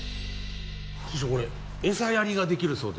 そしてこれ餌やりができるそうです。